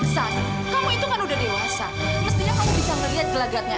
sampai jumpa di video selanjutnya